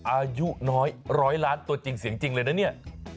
อายุน้อย๑๐๐ล้านตัวจริงเสียงจริงเลยนะเนี่ย